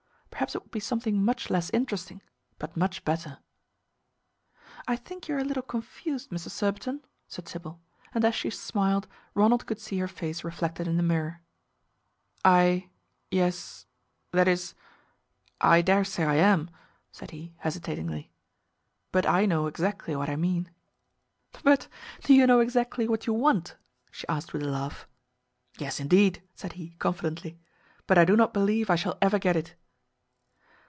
Perhaps it would be something much less interesting, but much better." "I think you are a little confused, Mr. Surbiton," said Sybil, and as she smiled, Ronald could see her face reflected in the mirror. "I yes that is I dare say I am," said he, hesitatingly. "But I know exactly what I mean." "But do you know exactly what you want?" she asked with a laugh. "Yes indeed," said he confidently. "But I do not believe I shall ever get it."